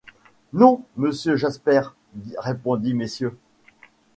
Non, monsieur Jasper! répondit Mrs.